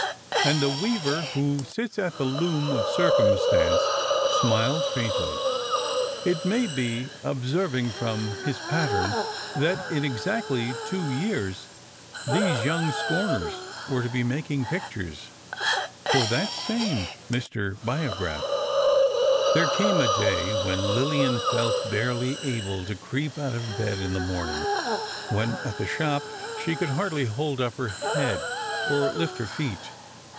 And the Weaver who sits at the Loom of Circumstance smiled faintly, it may be, observing from his pattern that in exactly two years these young scorners were to be making pictures for that same "Mr. Biograph." There came a day when Lillian felt barely able to creep out of bed in the morning; when at the shop she could hardly hold up her head, or lift her feet.